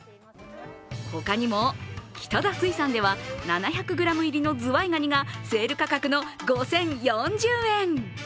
他にも北田水産では７００ｇ入りのズワイガニがセール価格の５０４０円。